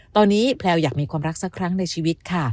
ตอนนี้แพลวอยากมีความรักสักครั้งในชีวิตค่ะ